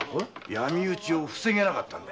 闇討ちを防げなかったんだ。